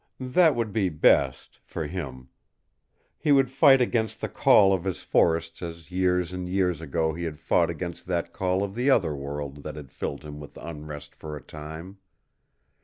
That would be best for him. He would fight against the call of his forests as years and years ago he had fought against that call of the Other World that had filled him with unrest for a time.